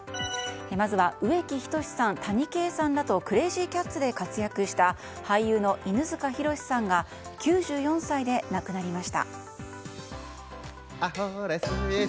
まずは植木等さん、谷啓さんらとクレージーキャッツで活躍した、俳優の犬塚弘さんが９４歳で亡くなりました。